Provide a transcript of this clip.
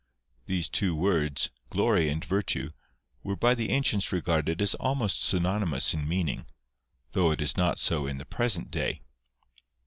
These two words, glory and virtue, were by the ancients regarded as almost synonymous in meaning, though it is not so in the present day.